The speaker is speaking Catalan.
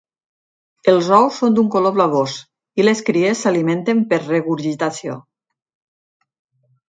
Els ous són d'un color blavós i les cries s'alimenten per regurgitació.